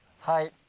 はい。